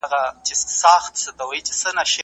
ځيني علماء ولي بيله سببه طلاق حرام بولي؟